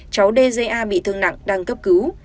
cháu dga bị thương nặng đang cấp cứu